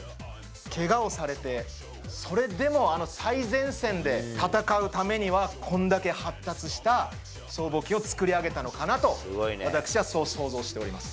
けがをされて、それでもあの最前線で戦うためには、こんだけ発達した僧帽筋を作り上げたのかなと、私はそう想像しております。